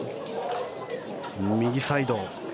右サイド。